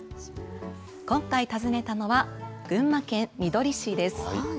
今回、訪ねたのは群馬県みどり市です。